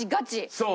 そう。